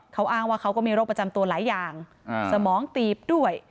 เขาอ้างว่าเขาก็มีโรคประจำตัวหลายอย่างสมองตีบด้วย